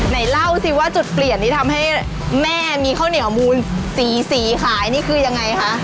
ไหนเล่าสิว่าจุดเปลี่ยนที่ทำให้แม่มีข้าวเหนียวมูลสีสีขายนี่คือยังไงคะ